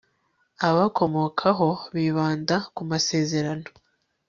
ababakomokaho bibanda ku masezerano